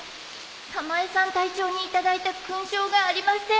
たまえさん隊長に頂いた勲章がありません。